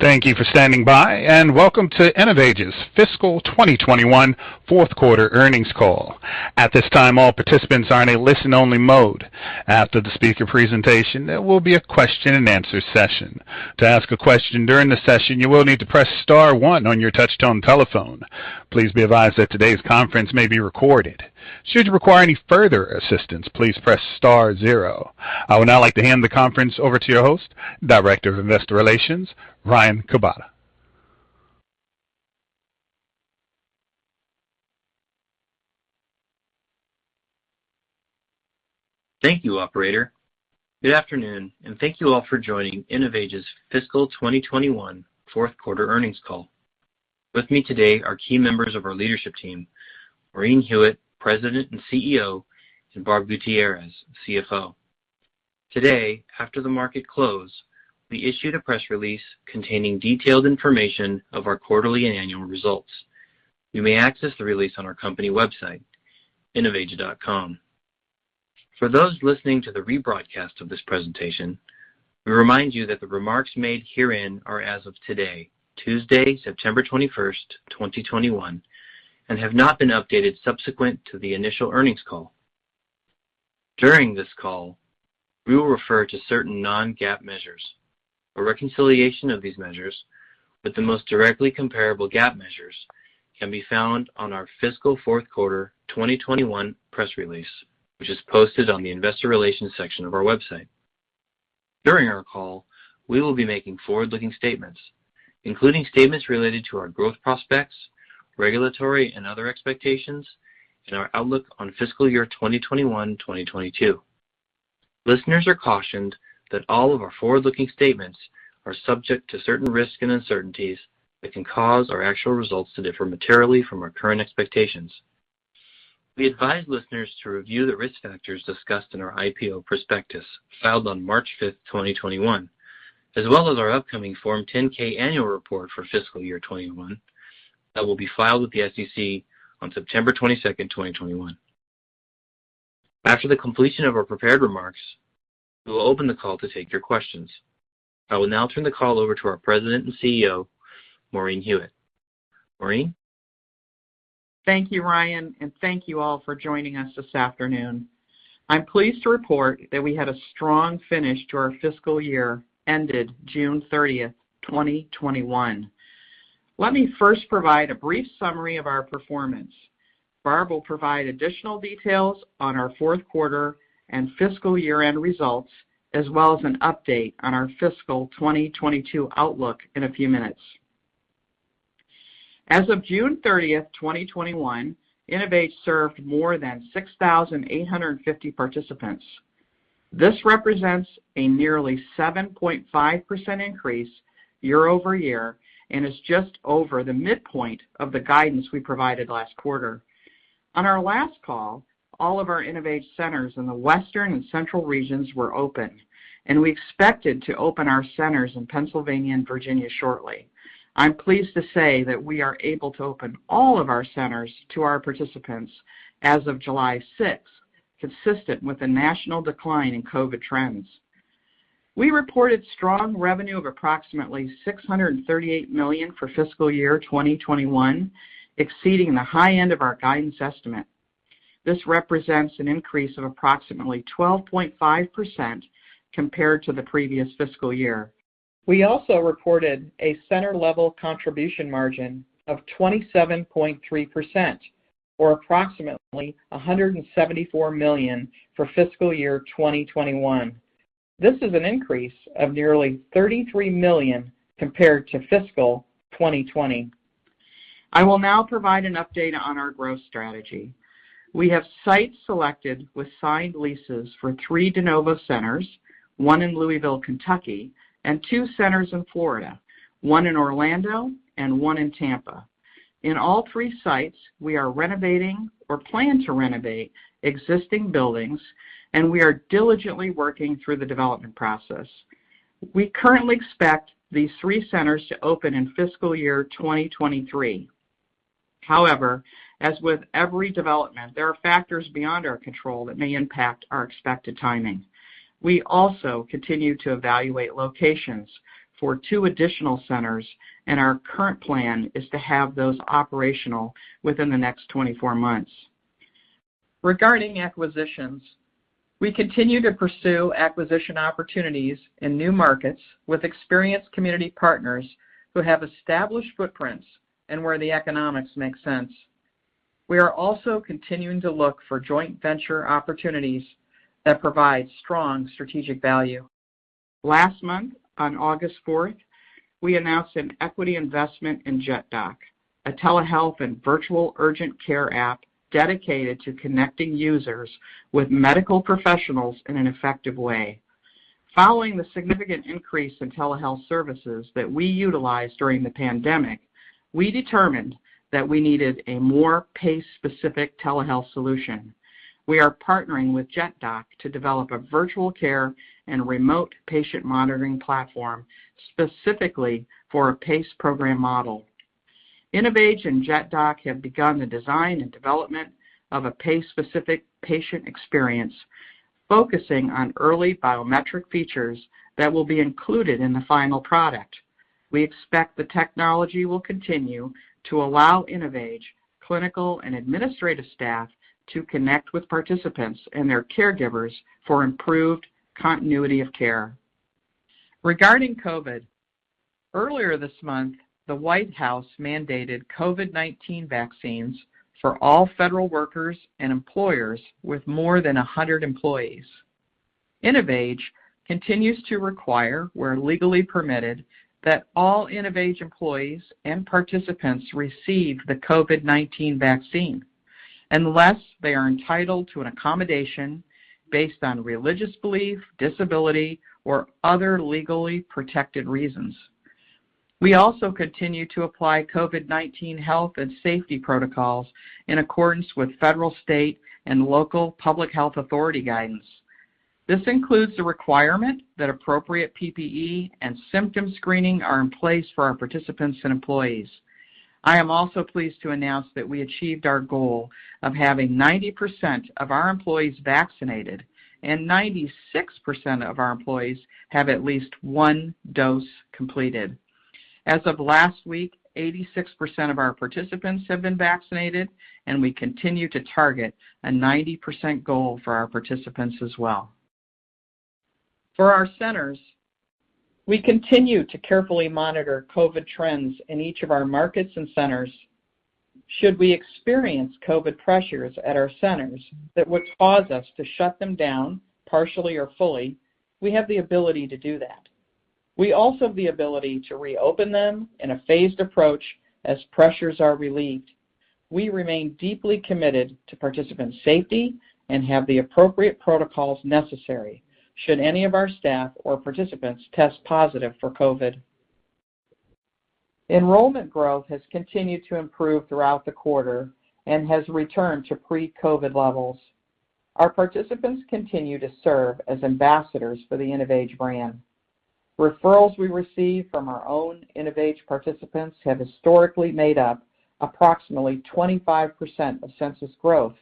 Thank you for standing by, and welcome to InnovAge's Fiscal 2021 Fourth Quarter Earnings Call. At this time, all participant are in listen-only mode. After the speaker presentation, there would be a question and answer sesssion. To ask your question during the session, you will need to press star one your touchtone telephone. Please be advice that todays conference may be recorded. Should you require any futher assistance, please press star zero. I would now like to hand the conference over to your host, Director of Investor Relations, Ryan Kubota. Thank you, operator. Good afternoon, and thank you all for joining InnovAge's Fiscal 2021 Fourth Quarter Earnings Call. With me today are key members of our leadership team, Maureen Hewitt, President and CEO, and Barbara Gutierrez, CFO. Today, after the market close, we issued a press release containing detailed information of our quarterly and annual results. You may access the release on our company website, innovage.com. For those listening to the rebroadcast of this presentation, we remind you that the remarks made herein are as of today, Tuesday, September 21st, 2021, and have not been updated subsequent to the initial earnings call. During this call, we will refer to certain non-GAAP measures. A reconciliation of these measures with the most directly comparable GAAP measures can be found on our Fiscal Fourth Quarter 2021 press release, which is posted on the investor relations section of our website. During our call, we will be making forward-looking statements, including statements related to our growth prospects, regulatory and other expectations, and our outlook on fiscal year 2021-2022. Listeners are cautioned that all of our forward-looking statements are subject to certain risks and uncertainties that can cause our actual results to differ materially from our current expectations. We advise listeners to review the risk factors discussed in our IPO prospectus filed on March 5th, 2021, as well as our upcoming Form 10-K annual report for fiscal year 2021 that will be filed with the SEC on September 22nd, 2021. After the completion of our prepared remarks, we will open the call to take your questions. I will now turn the call over to our President and CEO, Maureen Hewitt. Maureen? Thank you, Ryan, and thank you all for joining us this afternoon. I'm pleased to report that we had a strong finish to our fiscal year ended June 30th, 2021. Let me first provide a brief summary of our performance. Barb will provide additional details on our fourth quarter and fiscal year-end results, as well as an update on our fiscal 2022 outlook in a few minutes. As of June 30th, 2021, InnovAge served more than 6,850 participants. This represents a nearly 7.5% increase year-over-year and is just over the midpoint of the guidance we provided last quarter. On our last call, all of our InnovAge centers in the Western and Central regions were open, and we expected to open our centers in Pennsylvania and Virginia shortly. I'm pleased to say that we are able to open all of our centers to our participants as of July 6th, consistent with the national decline in COVID-19 trends. We reported strong revenue of approximately $638 million for fiscal year 2021, exceeding the high end of our guidance estimate. This represents an increase of approximately 12.5% compared to the previous fiscal year. We also reported a center-level contribution margin of 27.3%, or approximately $174 million for fiscal year 2021. This is an increase of nearly $33 million compared to fiscal 2020. I will now provide an update on our growth strategy. We have sites selected with signed leases for three de novo centers, one in Louisville, Kentucky, and two centers in Florida, one in Orlando and one in Tampa. In all three sites, we are renovating or plan to renovate existing buildings, and we are diligently working through the development process. We currently expect these three centers to open in fiscal year 2023. However, as with every development, there are factors beyond our control that may impact our expected timing. We also continue to evaluate locations for two additional centers, and our current plan is to have those operational within the next 24 months. Regarding acquisitions, we continue to pursue acquisition opportunities in new markets with experienced community partners who have established footprints and where the economics make sense. We are also continuing to look for joint venture opportunities that provide strong strategic value. Last month, on August 4th, we announced an equity investment in Jetdoc, a telehealth and virtual urgent care app dedicated to connecting users with medical professionals in an effective way. Following the significant increase in telehealth services that we utilized during the pandemic, we determined that we needed a more PACE-specific telehealth solution. We are partnering with Jetdoc to develop a virtual care and remote patient monitoring platform specifically for a PACE program model. InnovAge and Jetdoc have begun the design and development of a PACE-specific patient experience, focusing on early biometric features that will be included in the final product. We expect the technology will continue to allow InnovAge clinical and administrative staff to connect with participants and their caregivers for improved continuity of care. Regarding COVID-19, earlier this month, the White House mandated COVID-19 vaccines for all federal workers and employers with more than 100 employees. InnovAge continues to require, where legally permitted, that all InnovAge employees and participants receive the COVID-19 vaccine, unless they are entitled to an accommodation based on religious belief, disability, or other legally protected reasons. We also continue to apply COVID-19 health and safety protocols in accordance with federal, state, and local public health authority guidance. This includes the requirement that appropriate PPE and symptom screening are in place for our participants and employees. I am also pleased to announce that we achieved our goal of having 90% of our employees vaccinated, and 96% of our employees have at least one dose completed. As of last week, 86% of our participants have been vaccinated, and we continue to target a 90% goal for our participants as well. For our centers, we continue to carefully monitor COVID trends in each of our markets and centers. Should we experience COVID pressures at our centers that would cause us to shut them down, partially or fully, we have the ability to do that. We also have the ability to reopen them in a phased approach as pressures are relieved. We remain deeply committed to participant safety and have the appropriate protocols necessary should any of our staff or participants test positive for COVID. Enrollment growth has continued to improve throughout the quarter and has returned to pre-COVID levels. Our participants continue to serve as ambassadors for the InnovAge brand. Referrals we receive from our own InnovAge participants have historically made up approximately 25% of census growth.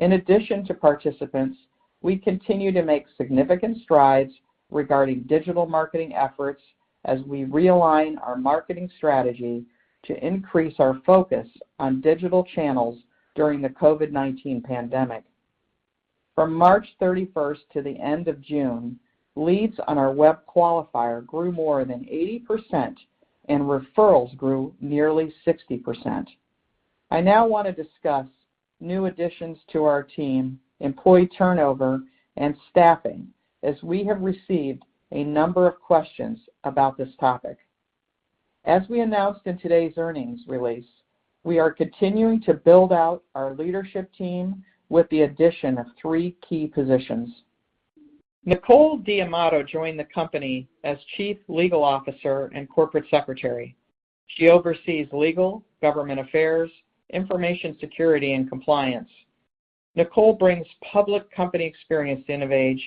In addition to participants, we continue to make significant strides regarding digital marketing efforts as we realign our marketing strategy to increase our focus on digital channels during the COVID-19 pandemic. From March 31st to the end of June, leads on our web qualifier grew more than 80%, and referrals grew nearly 60%. I now want to discuss new additions to our team, employee turnover, and staffing, as we have received a number of questions about this topic. As we announced in today's earnings release, we are continuing to build out our leadership team with the addition of three key positions. Nicole D'Amato joined the company as Chief Legal Officer and Corporate Secretary. She oversees legal, government affairs, information security, and compliance. Nicole brings public company experience to InnovAge,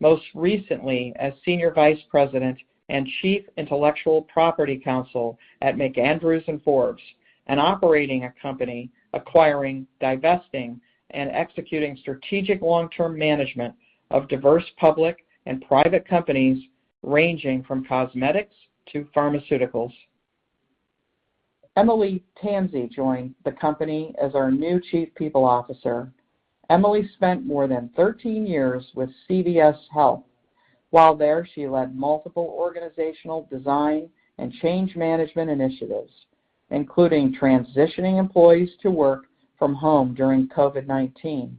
most recently as Senior Vice President and Chief Intellectual Property Counsel at MacAndrews & Forbes, and operating a company acquiring, divesting, and executing strategic long-term management of diverse public and private companies ranging from cosmetics to pharmaceuticals. Eimile Tansey joined the company as our new Chief People Officer. Eimile Tansey spent more than 13 years with CVS Health. While there, she led multiple organizational design and change management initiatives, including transitioning employees to work from home during COVID-19.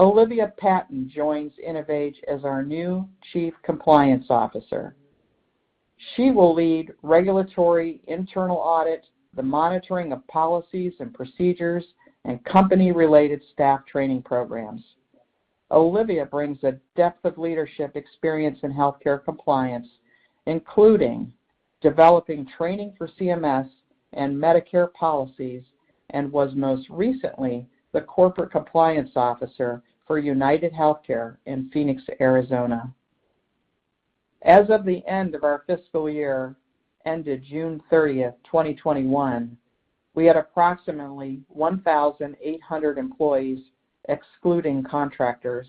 Olivia Patton joins InnovAge as our new Chief Compliance Officer. She will lead regulatory internal audit, the monitoring of policies and procedures, and company-related staff training programs. Olivia brings a depth of leadership experience in healthcare compliance, including developing training for CMS and Medicare policies, and was most recently the Corporate Compliance Officer for UnitedHealthcare in Phoenix, Arizona. As of the end of our fiscal year, ended June 30th, 2021, we had approximately 1,800 employees, excluding contractors.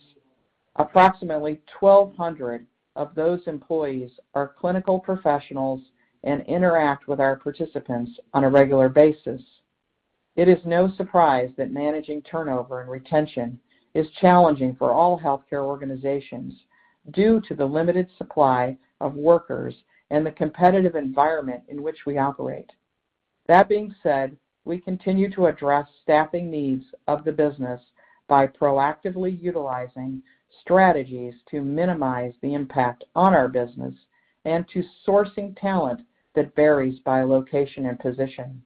Approximately 1,200 of those employees are clinical professionals and interact with our participants on a regular basis. It is no surprise that managing turnover and retention is challenging for all healthcare organizations due to the limited supply of workers and the competitive environment in which we operate. That being said, we continue to address staffing needs of the business by proactively utilizing strategies to minimize the impact on our business and to sourcing talent that varies by location and position.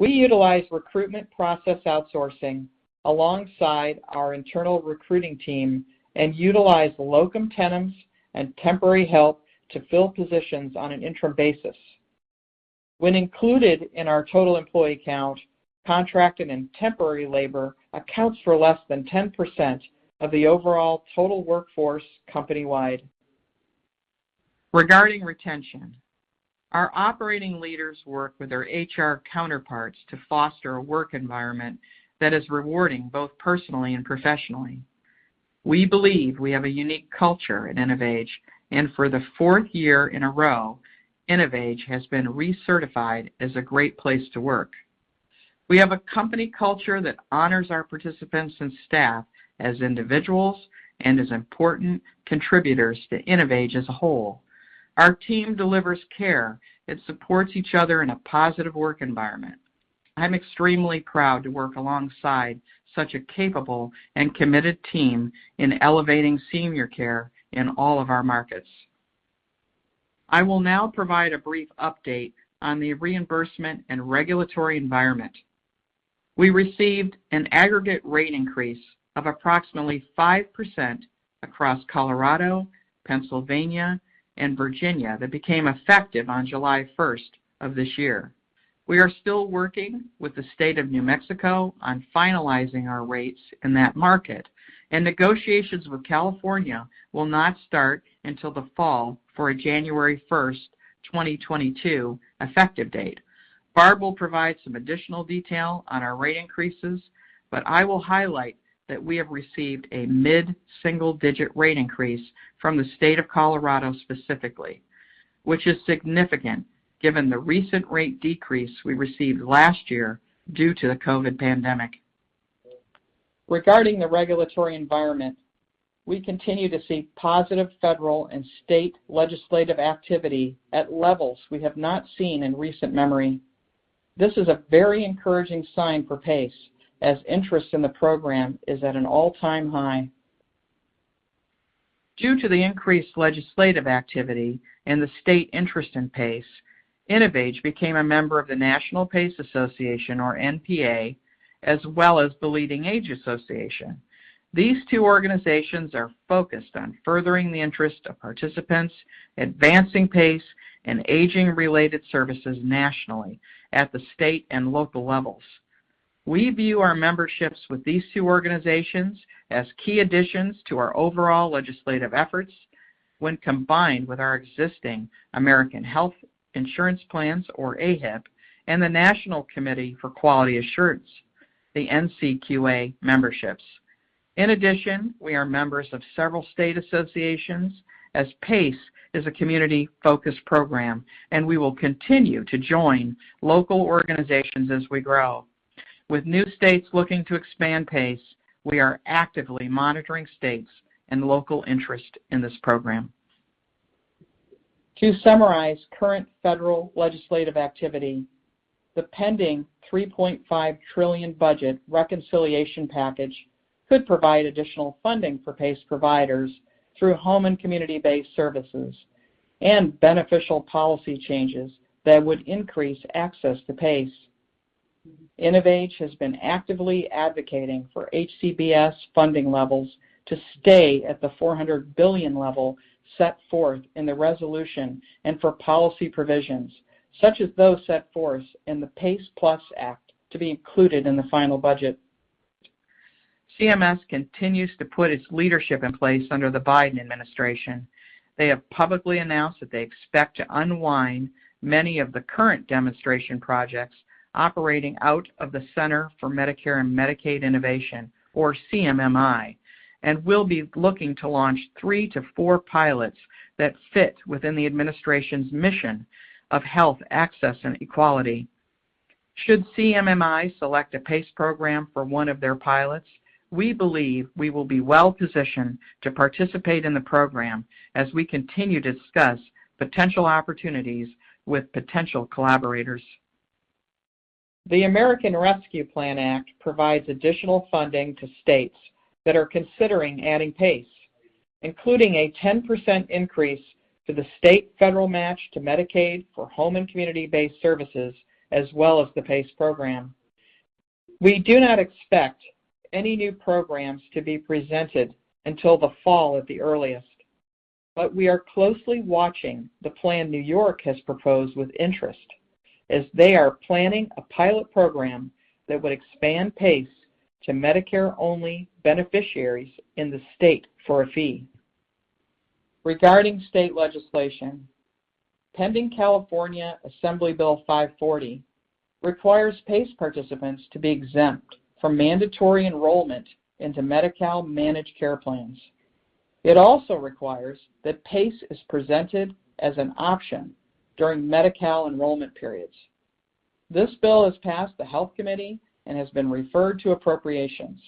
We utilize recruitment process outsourcing alongside our internal recruiting team and utilize locum tenens and temporary help to fill positions on an interim basis. When included in our total employee count, contracted and temporary labor accounts for less than 10% of the overall total workforce company-wide. Regarding retention, our operating leaders work with their HR counterparts to foster a work environment that is rewarding both personally and professionally. We believe we have a unique culture at InnovAge. For the fourth year in a row, InnovAge has been recertified as a great place to work. We have a company culture that honors our participants and staff as individuals and as important contributors to InnovAge as a whole. Our team delivers care and supports each other in a positive work environment. I'm extremely proud to work alongside such a capable and committed team in elevating senior care in all of our markets. I will now provide a brief update on the reimbursement and regulatory environment. We received an aggregate rate increase of approximately 5% across Colorado, Pennsylvania, and Virginia that became effective on July 1st of this year. We are still working with the State of New Mexico on finalizing our rates in that market. Negotiations with California will not start until the fall for a January 1st, 2022, effective date. Barb will provide some additional detail on our rate increases. I will highlight that we have received a mid-single-digit rate increase from the State of Colorado specifically, which is significant given the recent rate decrease we received last year due to the COVID pandemic. Regarding the regulatory environment, we continue to see positive federal and state legislative activity at levels we have not seen in recent memory. This is a very encouraging sign for PACE, as interest in the program is at an all-time high. Due to the increased legislative activity and the state interest in PACE, InnovAge became a member of the National PACE Association, or NPA, as well as the LeadingAge Association. These two organizations are focused on furthering the interests of participants, advancing PACE, and aging-related services nationally at the state and local levels. We view our memberships with these two organizations as key additions to our overall legislative efforts when combined with our existing America's Health Insurance Plans, or AHIP, and the National Committee for Quality Assurance, the NCQA memberships. In addition, we are members of several state associations, as PACE is a community-focused program, and we will continue to join local organizations as we grow. With new states looking to expand PACE, we are actively monitoring states and local interest in this program. To summarize current federal legislative activity, the pending $3.5 trillion budget reconciliation package could provide additional funding for PACE providers through home and community-based services and beneficial policy changes that would increase access to PACE. InnovAge has been actively advocating for HCBS funding levels to stay at the $400 billion level set forth in the resolution and for policy provisions, such as those set forth in the PACE Plus Act, to be included in the final budget. CMS continues to put its leadership in place under the Biden administration. They have publicly announced that they expect to unwind many of the current demonstration projects operating out of the Center for Medicare and Medicaid Innovation, or CMMI, and will be looking to launch three to four pilots that fit within the administration's mission of health access and equality. Should CMMI select a PACE program for one of their pilots, we believe we will be well-positioned to participate in the program as we continue to discuss potential opportunities with potential collaborators. The American Rescue Plan Act provides additional funding to states that are considering adding PACE, including a 10% increase to the state federal match to Medicaid for home and community-based services, as well as the PACE program. We do not expect any new programs to be presented until the fall at the earliest, but we are closely watching the plan New York has proposed with interest as they are planning a pilot program that would expand PACE to Medicare-only beneficiaries in the state for a fee. Regarding state legislation, pending California Assembly Bill 540 requires PACE participants to be exempt from mandatory enrollment into Medi-Cal managed care plans. It also requires that PACE is presented as an option during Medi-Cal enrollment periods. This bill has passed the health committee and has been referred to appropriations.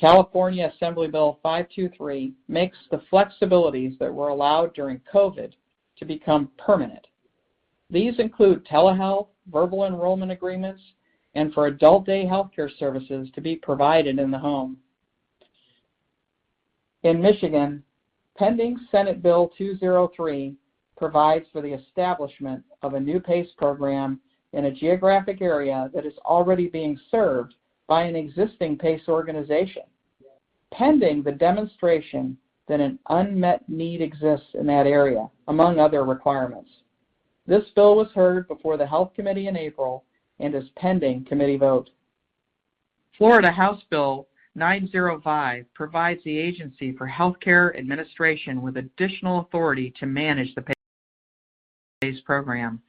California Assembly Bill 523 makes the flexibilities that were allowed during COVID to become permanent. These include telehealth, verbal enrollment agreements, and for adult day healthcare services to be provided in the home. In Michigan, pending Senate Bill 203 provides for the establishment of a new PACE program in a geographic area that is already being served by an existing PACE organization. Pending the demonstration that an unmet need exists in that area, among other requirements. This bill was heard before the Health Committee in April and is pending committee vote. Florida House Bill 905 provides the Agency for Health Care Administration with additional authority to manage the PACE program.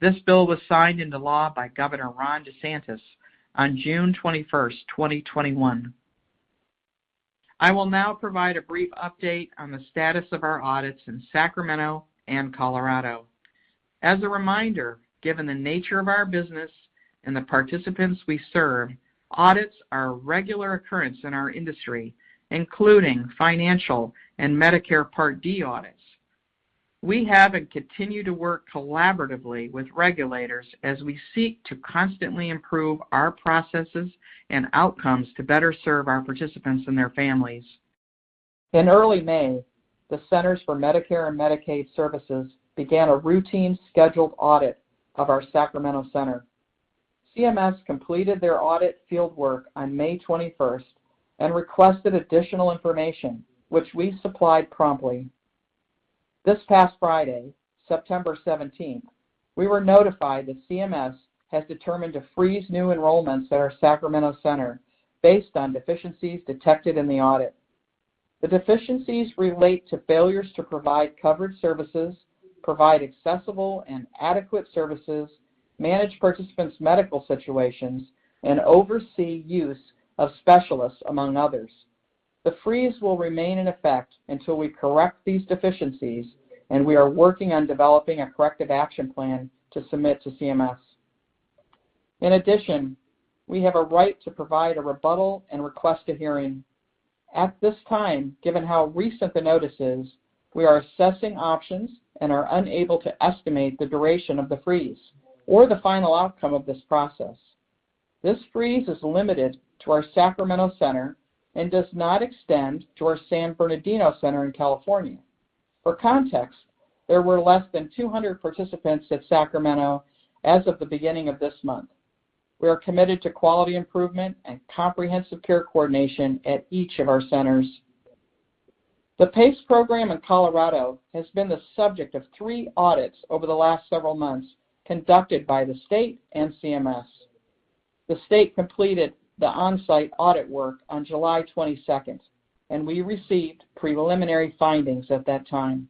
This bill was signed into law by Governor Ron DeSantis on June 21st, 2021. I will now provide a brief update on the status of our audits in Sacramento and Colorado. As a reminder, given the nature of our business and the participants we serve, audits are a regular occurrence in our industry, including financial and Medicare Part D audits. We have and continue to work collaboratively with regulators as we seek to constantly improve our processes and outcomes to better serve our participants and their families. In early May, the Centers for Medicare and Medicaid Services began a routine scheduled audit of our Sacramento center. CMS completed their audit fieldwork on May 21st and requested additional information, which we supplied promptly. This past Friday, September 17th, we were notified that CMS has determined to freeze new enrollments at our Sacramento center based on deficiencies detected in the audit. The deficiencies relate to failures to provide covered services, provide accessible and adequate services, manage participants' medical situations, and oversee use of specialists, among others. The freeze will remain in effect until we correct these deficiencies, and we are working on developing a corrective action plan to submit to CMS. In addition, we have a right to provide a rebuttal and request a hearing. At this time, given how recent the notice is, we are assessing options and are unable to estimate the duration of the freeze or the final outcome of this process. This freeze is limited to our Sacramento center and does not extend to our San Bernardino center in California. For context, there were less than 200 participants at Sacramento as of the beginning of this month. We are committed to quality improvement and comprehensive care coordination at each of our centers. The PACE program in Colorado has been the subject of three audits over the last several months conducted by the state and CMS. The state completed the on-site audit work on July 22nd, and we received preliminary findings at that time.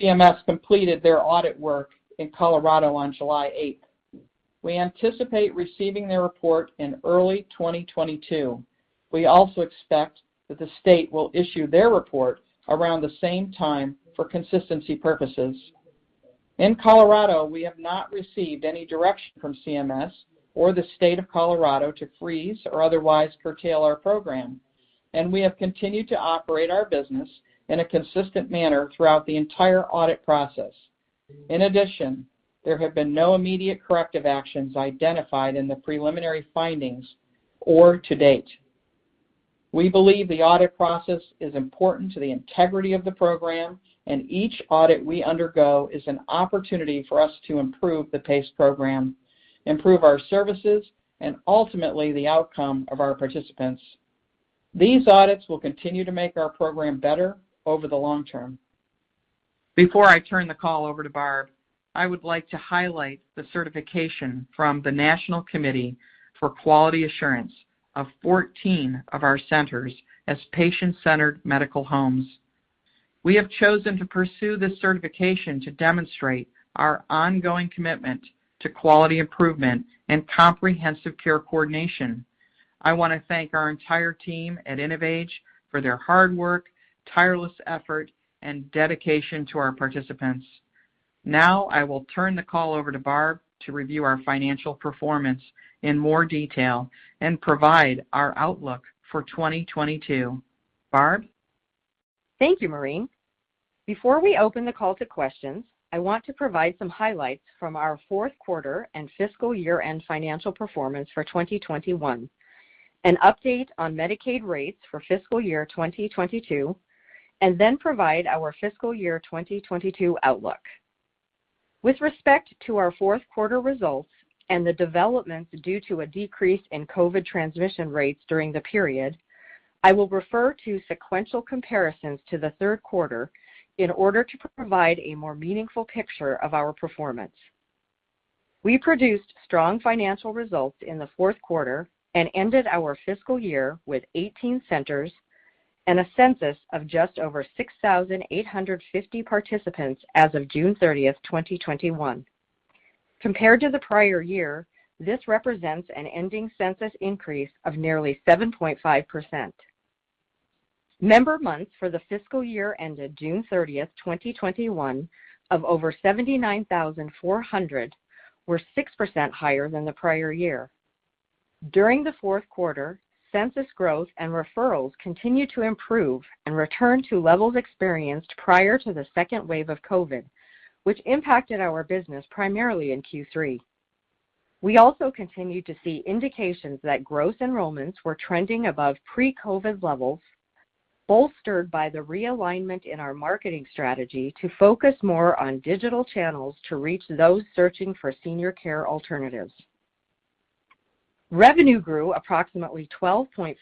CMS completed their audit work in Colorado on July 8th. We anticipate receiving their report in early 2022. We also expect that the state will issue their report around the same time for consistency purposes. In Colorado, we have not received any direction from CMS or the State of Colorado to freeze or otherwise curtail our program, and we have continued to operate our business in a consistent manner throughout the entire audit process. In addition, there have been no immediate corrective actions identified in the preliminary findings or to date. We believe the audit process is important to the integrity of the program, and each audit we undergo is an opportunity for us to improve the PACE program, improve our services, and ultimately the outcome of our participants. These audits will continue to make our program better over the long term. Before I turn the call over to Barb, I would like to highlight the certification from the National Committee for Quality Assurance of 14 of our centers as patient-centered medical homes. We have chosen to pursue this certification to demonstrate our ongoing commitment to quality improvement and comprehensive care coordination. I want to thank our entire team at InnovAge for their hard work, tireless effort, and dedication to our participants. Now, I will turn the call over to Barb to review our financial performance in more detail and provide our outlook for 2022. Barb. Thank you, Maureen. Before we open the call to questions, I want to provide some highlights from our fourth quarter and fiscal year-end financial performance for 2021, an update on Medicaid rates for fiscal year 2022, and then provide our fiscal year 2022 outlook. With respect to our fourth quarter results and the developments due to a decrease in COVID transmission rates during the period, I will refer to sequential comparisons to the third quarter in order to provide a more meaningful picture of our performance. We produced strong financial results in the fourth quarter and ended our fiscal year with 18 centers and a census of just over 6,850 participants as of June 30th, 2021. Compared to the prior year, this represents an ending census increase of nearly 7.5%. Member months for the fiscal year ended June 30th, 2021, of over 79,400, were 6% higher than the prior year. During the fourth quarter, census growth and referrals continued to improve and return to levels experienced prior to the second wave of COVID-19, which impacted our business primarily in Q3. We also continued to see indications that gross enrollments were trending above pre-COVID-19 levels, bolstered by the realignment in our marketing strategy to focus more on digital channels to reach those searching for senior care alternatives. Revenue grew approximately 12.5%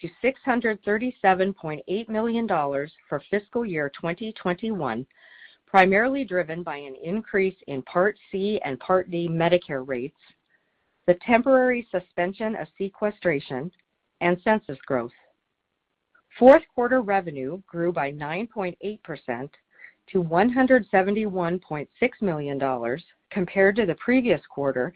to $637.8 million for fiscal year 2021, primarily driven by an increase in Part C and Part D Medicare rates, the temporary suspension of sequestration, and census growth. Fourth quarter revenue grew by 9.8% to $171.6 million compared to the previous quarter,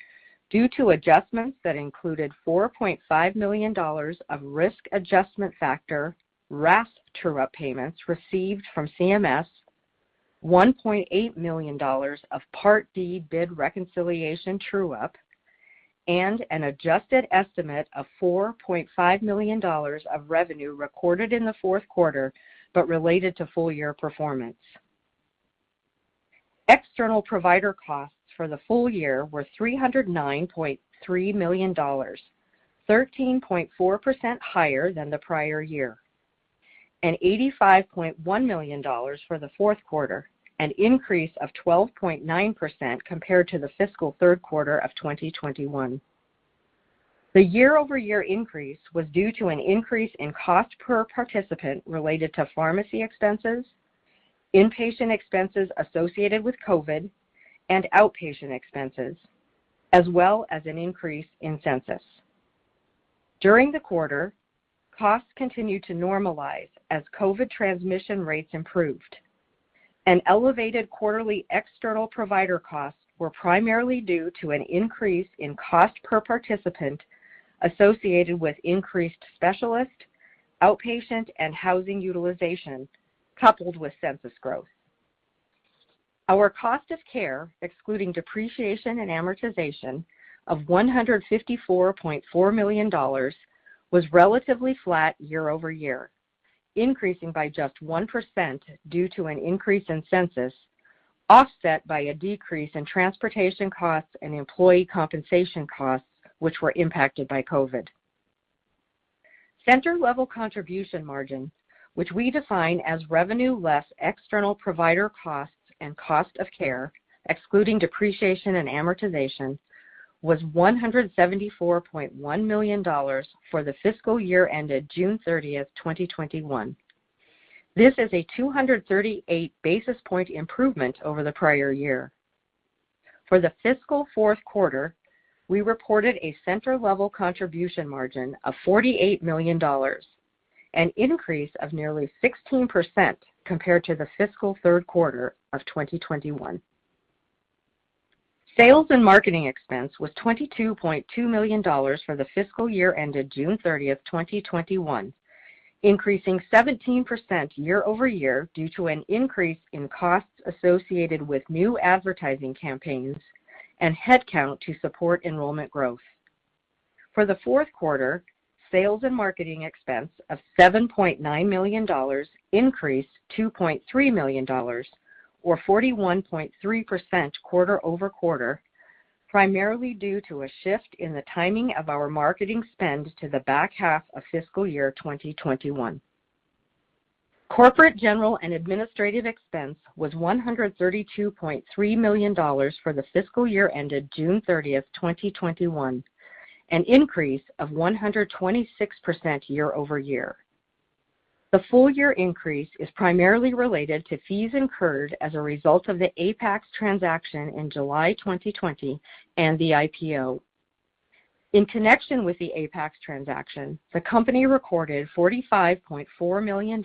due to adjustments that included $4.5 million of Risk Adjustment Factor, RAF true-up payments received from CMS, $1.8 million of Part D bid reconciliation true-up, and an adjusted estimate of $4.5 million of revenue recorded in the fourth quarter but related to full-year performance. External provider costs for the full year were $309.3 million, 13.4% higher than the prior year, and $85.1 million for the fourth quarter, an increase of 12.9% compared to the fiscal third quarter of 2021. The year-over-year increase was due to an increase in cost per participant related to pharmacy expenses, inpatient expenses associated with COVID-19, and outpatient expenses, as well as an increase in census. During the quarter, costs continued to normalize as COVID transmission rates improved, and elevated quarterly external provider costs were primarily due to an increase in cost per participant associated with increased specialist, outpatient, and housing utilization, coupled with census growth. Our cost of care, excluding depreciation and amortization of $154.4 million, was relatively flat year-over-year, increasing by just 1% due to an increase in census, offset by a decrease in transportation costs and employee compensation costs, which were impacted by COVID. Center level contribution margin, which we define as revenue less external provider costs and cost of care, excluding depreciation and amortization, was $174.1 million for the fiscal year ended June 30th, 2021. This is a 238 basis point improvement over the prior year. For the fiscal fourth quarter, we reported a center level contribution margin of $48 million, an increase of nearly 16% compared to the fiscal third quarter of 2021. Sales and marketing expense was $22.2 million for the fiscal year ended June 30th, 2021, increasing 17% year-over-year due to an increase in costs associated with new advertising campaigns and headcount to support enrollment growth. For the fourth quarter, sales and marketing expense of $7.9 million increased $2.3 million, or 41.3% quarter-over-quarter, primarily due to a shift in the timing of our marketing spend to the back half of fiscal year 2021. Corporate, general, and administrative expense was $132.3 million for the fiscal year ended June 30th, 2021, an increase of 126% year-over-year. The full-year increase is primarily related to fees incurred as a result of the Apax transaction in July 2020 and the IPO. In connection with the Apax transaction, the company recorded $45.4 million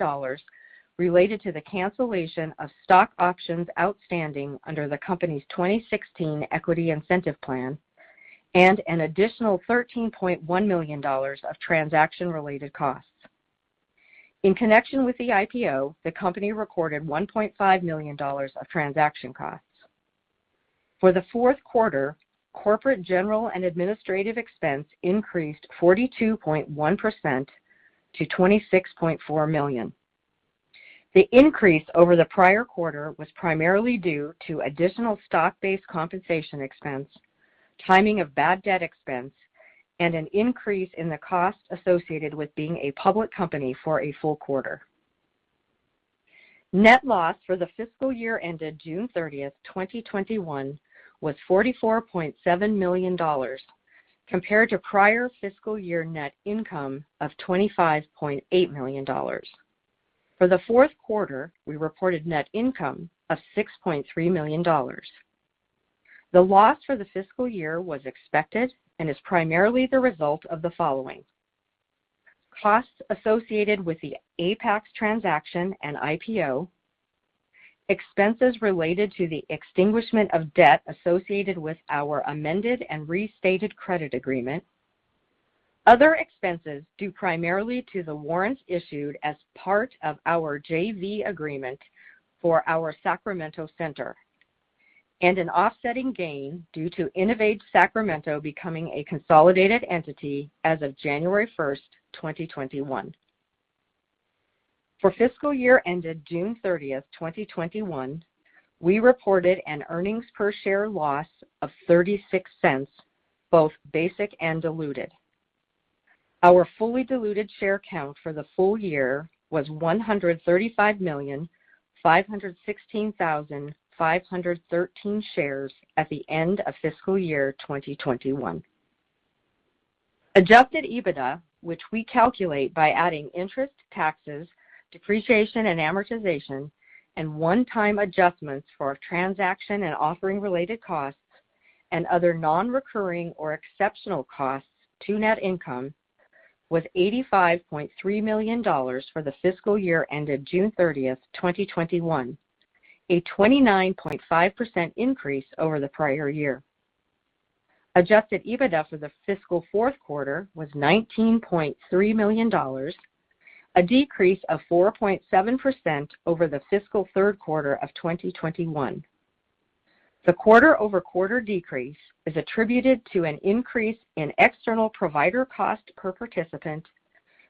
related to the cancellation of stock options outstanding under the company's 2016 equity incentive plan and an additional $13.1 million of transaction-related costs. In connection with the IPO, the company recorded $1.5 million of transaction costs. For the fourth quarter, corporate, general and administrative expense increased 42.1% to $26.4 million. The increase over the prior quarter was primarily due to additional stock-based compensation expense, timing of bad debt expense, and an increase in the costs associated with being a public company for a full quarter. Net loss for the fiscal year ended June 30th, 2021, was $44.7 million, compared to prior fiscal year net income of $25.8 million. For the fourth quarter, we reported net income of $6.3 million. The loss for the fiscal year was expected and is primarily the result of the following: Costs associated with the Apax transaction and IPO, expenses related to the extinguishment of debt associated with our amended and restated credit agreement, other expenses due primarily to the warrants issued as part of our JV agreement for our Sacramento center, and an offsetting gain due to InnovAge Sacramento becoming a consolidated entity as of January 1st, 2021. For fiscal year ended June 30th, 2021, we reported an earnings per share loss of $0.36, both basic and diluted. Our fully diluted share count for the full year was 135,516,513 shares at the end of fiscal year 2021. Adjusted EBITDA, which we calculate by adding interest, taxes, depreciation, and amortization, and one-time adjustments for transaction and offering-related costs and other non-recurring or exceptional costs to net income, was $85.3 million for the fiscal year ended June 30th, 2021, a 29.5% increase over the prior year. Adjusted EBITDA for the fiscal fourth quarter was $19.3 million, a decrease of 4.7% over the fiscal third quarter of 2021. The quarter-over-quarter decrease is attributed to an increase in external provider cost per participant,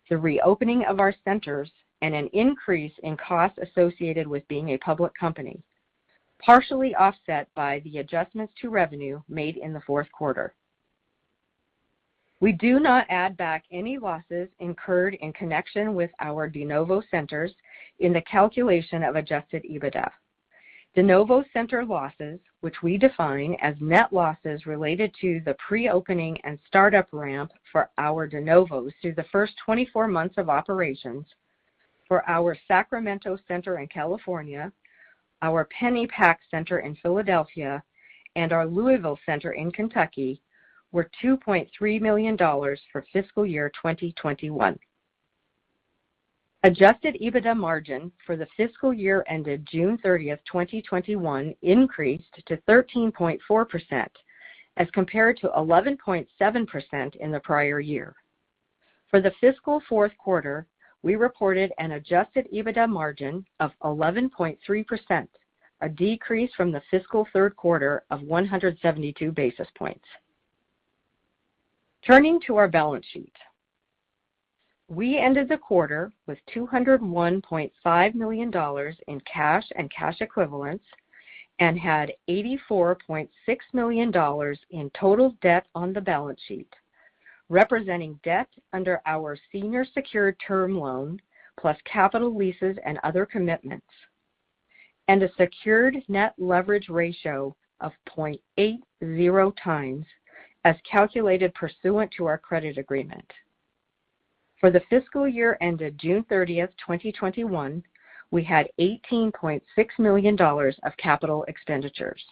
the reopening of our centers, and an increase in costs associated with being a public company, partially offset by the adjustments to revenue made in the fourth quarter. We do not add back any losses incurred in connection with our de novo centers in the calculation of adjusted EBITDA. De novo center losses, which we define as net losses related to the pre-opening and startup ramp for our de novos through the first 24 months of operations for our Sacramento center in California, our Pennypack Center in Philadelphia, and our Louisville center in Kentucky, were $2.3 million for fiscal year 2021. Adjusted EBITDA margin for the fiscal year ended June 30th, 2021, increased to 13.4% as compared to 11.7% in the prior year. For the fiscal fourth quarter, we reported an adjusted EBITDA margin of 11.3%, a decrease from the fiscal third quarter of 172 basis points. Turning to our balance sheet. We ended the quarter with $201.5 million in cash and cash equivalents and had $84.6 million in total debt on the balance sheet, representing debt under our senior secured term loan, plus capital leases and other commitments, and a secured net leverage ratio of 0.80x as calculated pursuant to our credit agreement. For the fiscal year ended June 30th, 2021, we had $18.6 million of capital expenditures.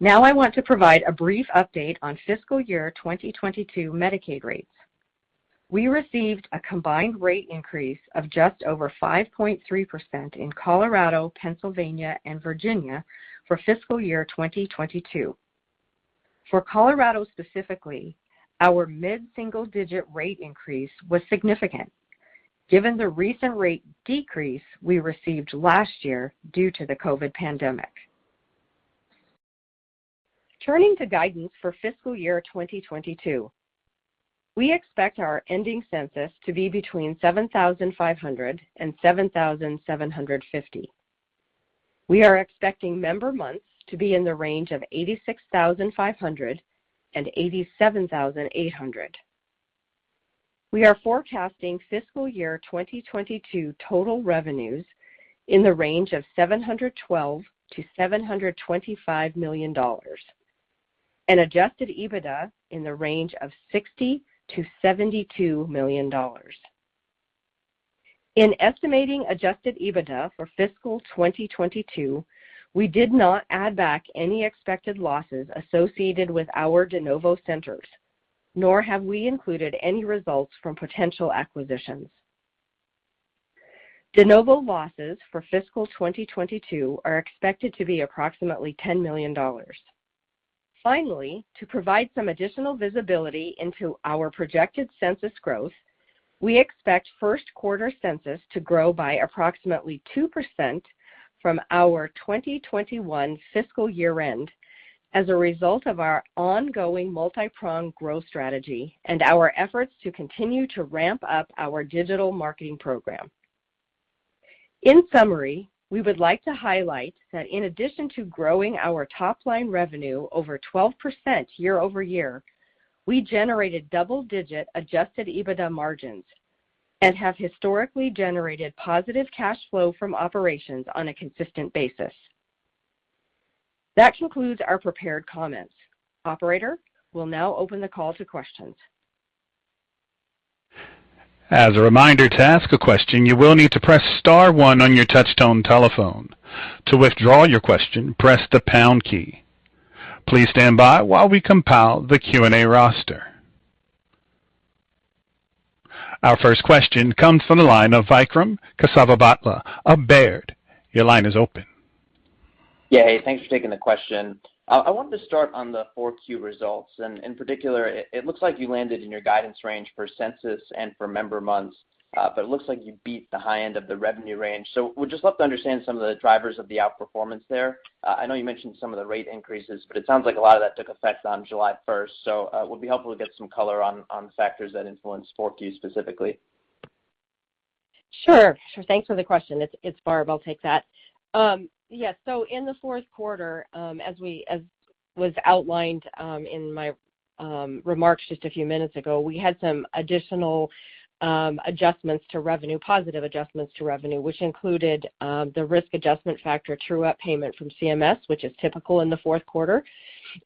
Now I want to provide a brief update on fiscal year 2022 Medicaid rates. We received a combined rate increase of just over 5.3% in Colorado, Pennsylvania, and Virginia for fiscal year 2022. For Colorado specifically, our mid-single-digit rate increase was significant given the recent rate decrease we received last year due to the COVID-19 pandemic. Turning to guidance for fiscal year 2022. We expect our ending census to be between 7,500 and 7,750. We are expecting member months to be in the range of 86,500 and 87,800. We are forecasting fiscal year 2022 total revenues in the range of $712 million-$725 million and adjusted EBITDA in the range of $60 million-$72 million. In estimating adjusted EBITDA for fiscal 2022, we did not add back any expected losses associated with our de novo centers, nor have we included any results from potential acquisitions. De novo losses for fiscal 2022 are expected to be approximately $10 million. Finally, to provide some additional visibility into our projected census growth, we expect first quarter census to grow by approximately 2% from our 2021 fiscal year-end as a result of our ongoing multi-pronged growth strategy and our efforts to continue to ramp up our digital marketing program. In summary, we would like to highlight that in addition to growing our top-line revenue over 12% year-over-year, we generated double-digit adjusted EBITDA margins and have historically generated positive cash flow from operations on a consistent basis. That concludes our prepared comments. Operator, we'll now open the call to questions. As a reminder, to ask a question, you will need to press star one on your touch-tone telephone. To withdraw your question, press the pound key. Please stand by while we compile the Q&A roster. Our first question comes from the line of Vikram Kesavabhotla of Baird. Your line is open. Yeah. Hey, thanks for taking the question. I wanted to start on the 4Q results, and in particular, it looks like you landed in your guidance range for census and for member months. It looks like you beat the high end of the revenue range. Would just love to understand some of the drivers of the outperformance there. I know you mentioned some of the rate increases, but it sounds like a lot of that took effect on July 1st, so would be helpful to get some color on the factors that influenced 4Q specifically. Sure. Thanks for the question. It's Barb, I'll take that. Yeah, in the fourth quarter, as was outlined in my remarks just a few minutes ago, we had some additional adjustments to revenue, positive adjustments to revenue, which included the risk adjustment factor true-up payment from CMS, which is typical in the fourth quarter.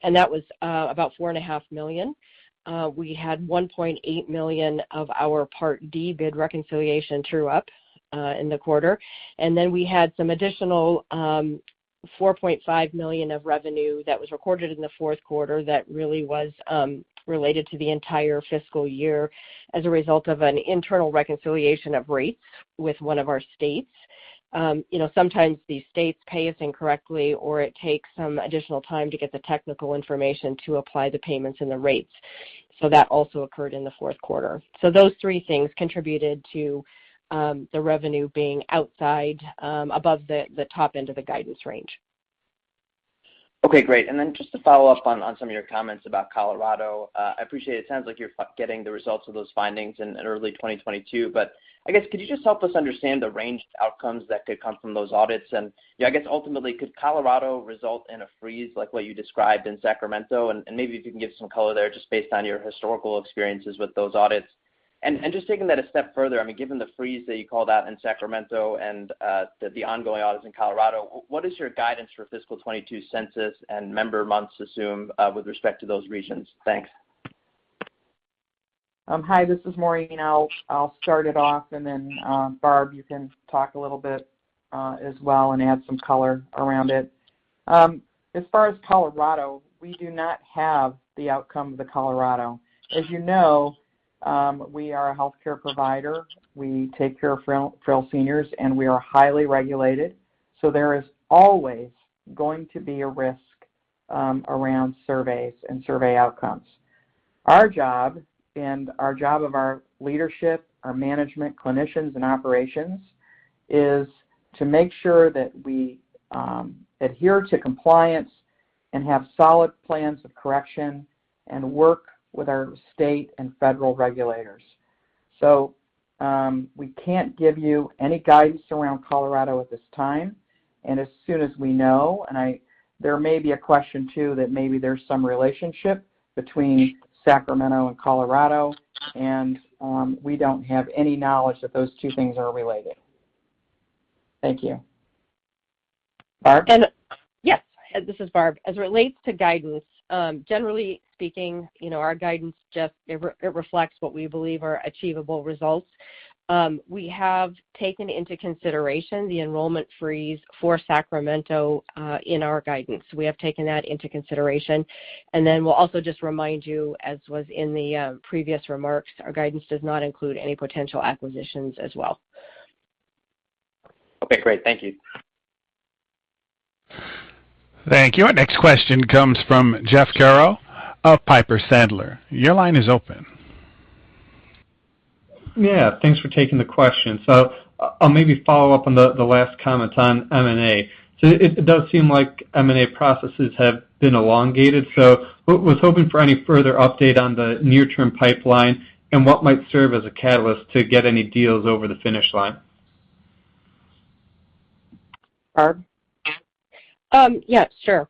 That was about $4.5 million. We had $1.8 million of our Part D bid reconciliation true-up in the quarter. We had some additional $4.5 million of revenue that was recorded in the fourth quarter that really was related to the entire fiscal year as a result of an internal reconciliation of rates with one of our states. Sometimes these states pay us incorrectly, or it takes some additional time to get the technical information to apply the payments and the rates. That also occurred in the fourth quarter. Those three things contributed to the revenue being above the top end of the guidance range. Okay, great. Just to follow up on some of your comments about Colorado. I appreciate it sounds like you're getting the results of those findings in early 2022. I guess, could you just help us understand the range of outcomes that could come from those audits? I guess ultimately, could Colorado result in a freeze like what you described in Sacramento? Maybe if you can give some color there just based on your historical experiences with those audits. Just taking that a step further, given the freeze that you called out in Sacramento and the ongoing audits in Colorado, what is your guidance for fiscal 2022 census and member months assume with respect to those regions? Thanks. Hi, this is Maureen. I'll start it off, and then Barb, you can talk a little bit as well and add some color around it. As far as Colorado, we do not have the outcome of the Colorado. As you know, we are a healthcare provider. We take care of frail seniors, and we are highly regulated. There is always going to be a risk around surveys and survey outcomes. Our job and our job of our leadership, our management, clinicians, and operations is to make sure that we adhere to compliance and have solid plans of correction and work with our state and federal regulators. We can't give you any guidance around Colorado at this time. As soon as we know, there may be a question too that maybe there's some relationship between Sacramento and Colorado, and we don't have any knowledge that those two things are related. Thank you. Barb? Yes. This is Barb. As it relates to guidance, generally speaking, our guidance just reflects what we believe are achievable results. We have taken into consideration the enrollment freeze for Sacramento in our guidance. We have taken that into consideration. We'll also just remind you, as was in the previous remarks, our guidance does not include any potential acquisitions as well. Okay, great. Thank you. Thank you. Our next question comes from Jeff Garro of Piper Sandler. Your line is open. Yeah, thanks for taking the question. I'll maybe follow up on the last comments on M&A. It does seem like M&A processes have been elongated, so was hoping for any further update on the near-term pipeline and what might serve as a catalyst to get any deals over the finish line. Barb? Yeah, sure.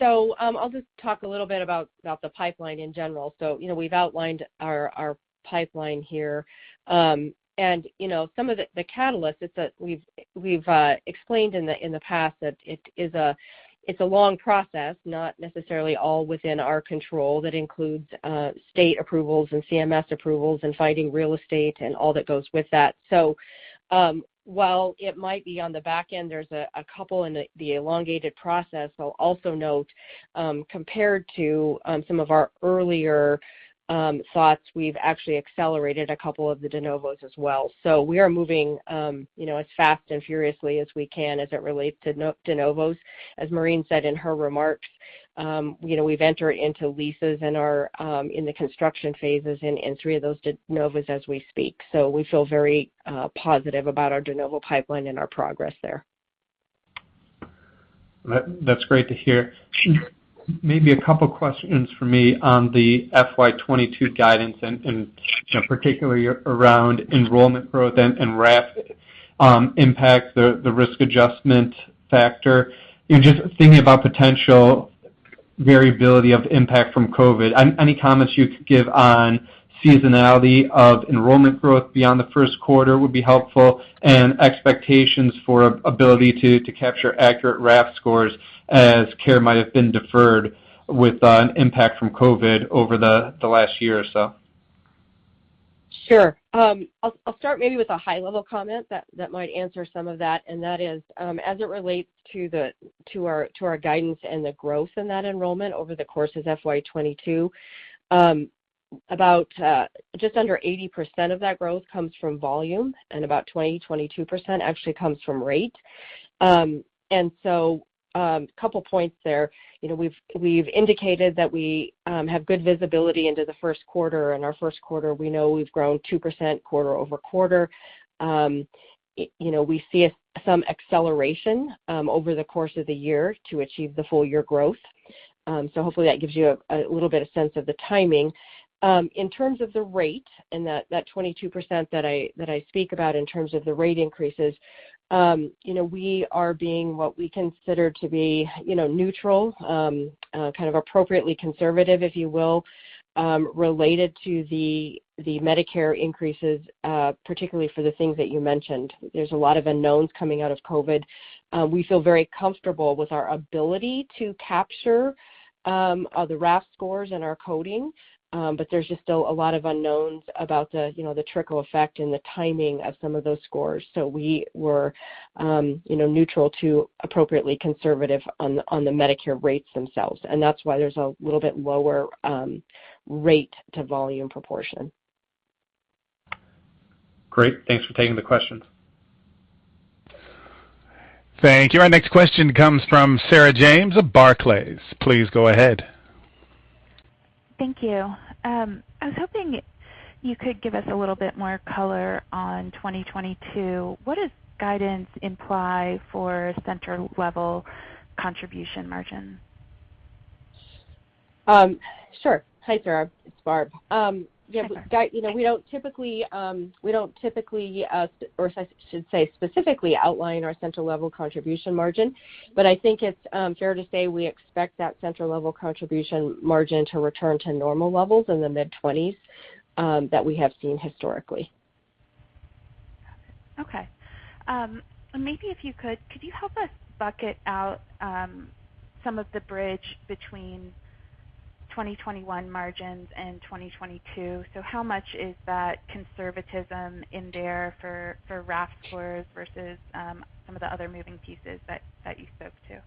I'll just talk a little bit about the pipeline in general. We've outlined our pipeline here. Some of the catalyst is that we've explained in the past that it's a long process, not necessarily all within our control, that includes state approvals and CMS approvals and finding real estate and all that goes with that. While it might be on the back end, there's a couple in the elongated process. I'll also note compared to some of our earlier thoughts, we've actually accelerated a couple of the de novos as well. We are moving as fast and furiously as we can as it relates to de novos. As Maureen said in her remarks, we've entered into leases in the construction phases in three of those de novos as we speak. We feel very positive about our de novo pipeline and our progress there. That's great to hear. Maybe a couple questions from me on the FY 2022 guidance and particularly around enrollment growth and RAF impact, the risk adjustment factor, and just thinking about potential variability of impact from COVID. Any comments you could give on seasonality of enrollment growth beyond the first quarter would be helpful and expectations for ability to capture accurate RAF scores as care might have been deferred with an impact from COVID over the last year or so. Sure. I'll start maybe with a high-level comment that might answer some of that, and that is, as it relates to our guidance and the growth in that enrollment over the course of FY 2022, about just under 80% of that growth comes from volume and about 20%-22% actually comes from rate. A couple points there. We've indicated that we have good visibility into the first quarter. In our first quarter, we know we've grown 2% quarter-over-quarter. We see some acceleration over the course of the year to achieve the full year growth. Hopefully that gives you a little bit of sense of the timing. In terms of the rate and that 22% that I speak about in terms of the rate increases, we are being what we consider to be neutral, kind of appropriately conservative, if you will, related to the Medicare increases, particularly for the things that you mentioned. There's a lot of unknowns coming out of COVID. We feel very comfortable with our ability to capture the RAF scores and our coding, there's just still a lot of unknowns about the trickle effect and the timing of some of those scores. We were neutral to appropriately conservative on the Medicare rates themselves, and that's why there's a little bit lower rate to volume proportion. Great. Thanks for taking the question. Thank you. Our next question comes from Sarah James of Barclays. Please go ahead. Thank you. I was hoping you could give us a little bit more color on 2022. What does guidance imply for center-level contribution margin? Sure. Hi, Sarah. It's Barb. Hi, Barbara. We don't typically, or I should say, specifically outline our center-level contribution margin, but I think it's fair to say we expect that center-level contribution margin to return to normal levels in the mid-20s that we have seen historically. Okay. Maybe if you could you help us bucket out some of the bridge between 2021 margins and 2022? How much is that conservatism in there for RAF scores versus some of the other moving pieces that you spoke to?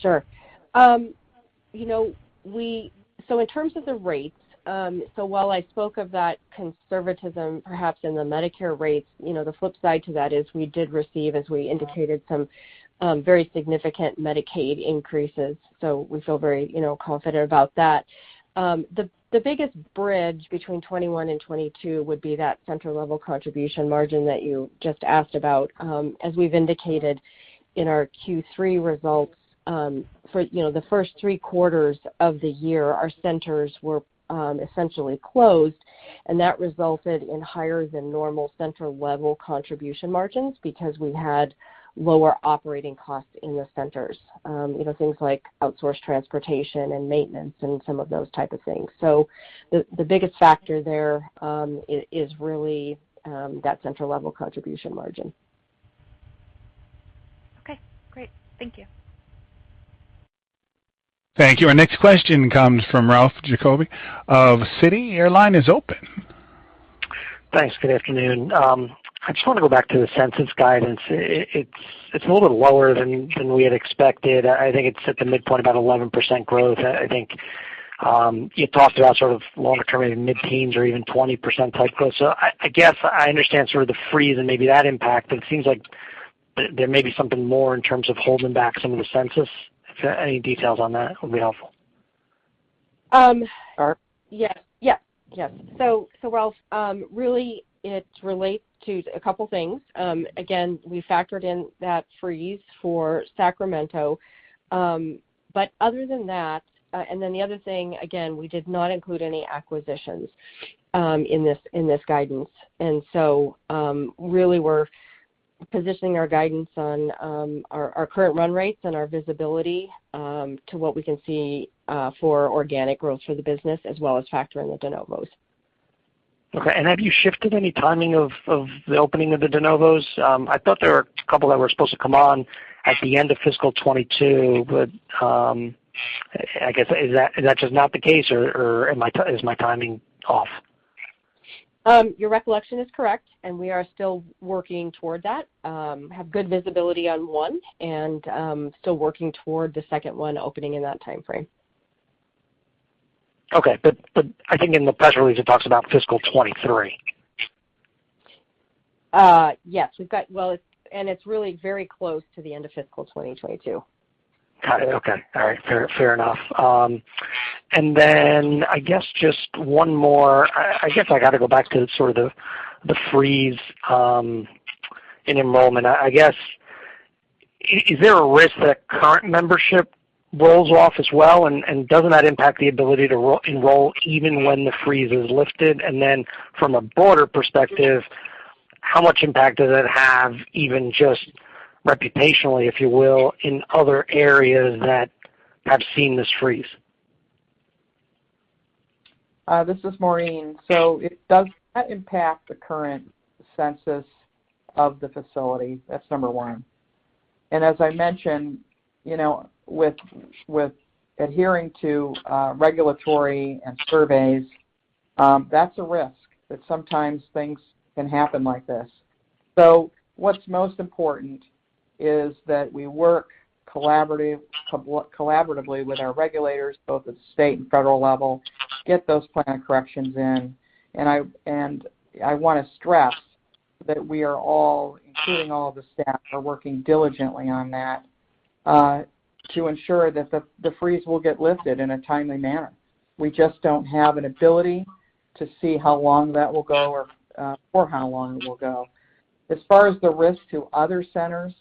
Sure. In terms of the rates, while I spoke of that conservatism, perhaps in the Medicare rates, the flip side to that is we did receive, as we indicated, some very significant Medicaid increases. We feel very confident about that. The biggest bridge between 2021 and 2022 would be that center-level contribution margin that you just asked about. As we've indicated in our Q3 results, for the first 3/4 of the year, our centers were essentially closed, and that resulted in higher than normal center-level contribution margins because we had lower operating costs in the centers. Things like outsourced transportation and maintenance and some of those type of things. The biggest factor there is really that center-level contribution margin. Okay, great. Thank you. Thank you. Our next question comes from Ralph Giacobbe of Citi. Your line is open. Thanks. Good afternoon. I just want to go back to the census guidance. It's a little bit lower than we had expected. I think it's at the midpoint about 11% growth. I think you talked about sort of longer term, maybe mid-teens or even 20% type growth. I guess I understand sort of the freeze and maybe that impact, but it seems like there may be something more in terms of holding back some of the census. If any details on that would be helpful. Barb? Yes. Ralph, really it relates to a couple things. We factored in that freeze for InnovAge Sacramento. Other than that, the other thing, again, we did not include any acquisitions in this guidance. Really we're positioning our guidance on our current run rates and our visibility, to what we can see for organic growth for the business, as well as factoring the de novos. Okay, have you shifted any timing of the opening of the de novos? I thought there were a couple that were supposed to come on at the end of fiscal 2022. I guess, is that just not the case, or is my timing off? Your recollection is correct. We are still working toward that. Have good visibility on one, and still working toward the second one opening in that timeframe. Okay, I think in the press release, it talks about fiscal 2023. Yes. It's really very close to the end of fiscal 2022. Got it. Okay. All right. Fair enough. I guess just one more. I guess I got to go back to sort of the freeze in enrollment. I guess, is there a risk that current membership rolls off as well, and doesn't that impact the ability to enroll even when the freeze is lifted? From a broader perspective, how much impact does it have, even just reputationally, if you will, in other areas that have seen this freeze? This is Maureen. It does not impact the current census of the facility. That's number one. As I mentioned, with adhering to regulatory and surveys, that's a risk that sometimes things can happen like this. What's most important is that we work collaboratively with our regulators, both at the state and federal level, get those plan corrections in, and I want to stress that we are all, including all the staff, are working diligently on that, to ensure that the freeze will get lifted in a timely manner. We just don't have an ability to see how long that will go or for how long it will go. As far as the risk to other centers,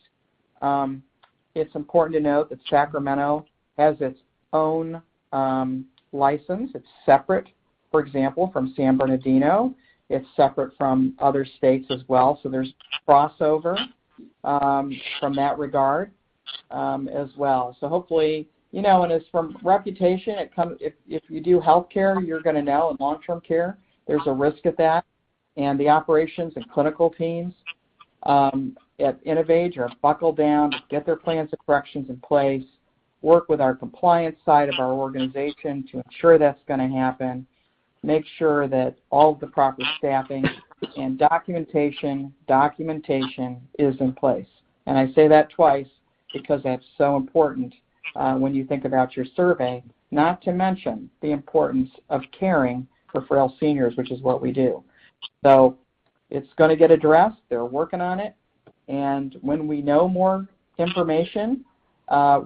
it's important to note that Sacramento has its own license. It's separate, for example, from San Bernardino. It's separate from other states as well, so there's crossover from that regard as well. Hopefully, from reputation, if you do healthcare, you're going to know in long-term care, there's a risk of that, and the operations and clinical teams at InnovAge are buckled down to get their plans and corrections in place, work with our compliance side of our organization to ensure that's going to happen, make sure that all of the proper staffing and documentation is in place. I say that twice because that's so important when you think about your survey, not to mention the importance of caring for frail seniors, which is what we do. It's going to get addressed. They're working on it, and when we know more information,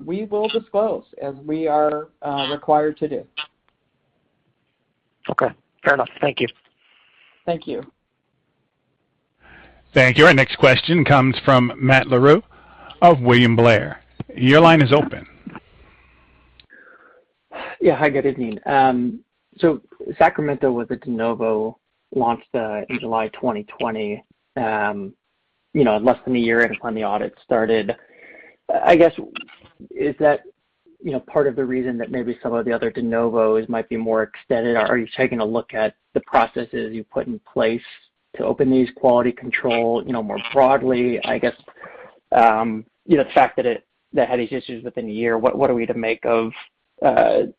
we will disclose as we are required to do. Okay. Fair enough. Thank you. Thank you. Thank you. Our next question comes from Matt Larew of William Blair. Your line is open. Yeah. Hi, good evening. Sacramento was a de novo, launched in July 2020. Less than a year in when the audit started. I guess, is that part of the reason that maybe some of the other de novos might be more extended? Are you taking a look at the processes you've put in place to open these quality control more broadly? I guess, the fact that they had these issues within a year, what are we to make of that